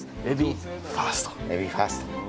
エビファースト？